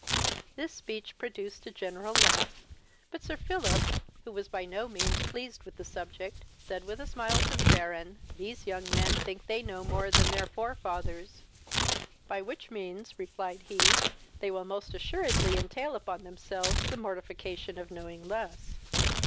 This speech produced a general laugh, but Sir Philip, who was by no means pleased with the subject, said with a smile to the Baron, "These young men think they know more than their forefathers." "By which means, (replied he,) they will most assuredly entail upon themselves the mortification of knowing less."